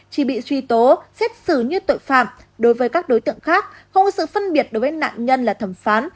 chỉ bị truy tố xét xử như tội phạm đối với các đối tượng khác không có sự phân biệt đối với nạn nhân là thẩm phán